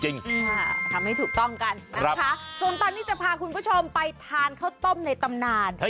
ทำให้ถูกต้องกันนะคะส่วนตอนนี้จะพาคุณผู้ชมไปทานข้าวต้มในตำนาน